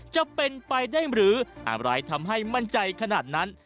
จะเป็นไปได้หรืออะไรทำให้มั่นใจขนาดนั้น